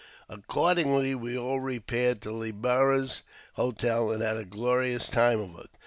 Accordingly, we all repaired to Le Barras's hotel, and had a glorious time of it.